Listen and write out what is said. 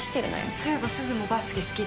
そういえばすずもバスケ好きだよね？